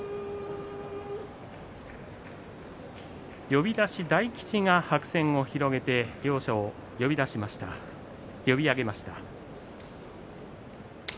呼出し大吉が白扇を広げて両者を呼び上げました。